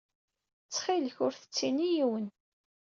Ttxil-k, ur t-ttini i yiwen.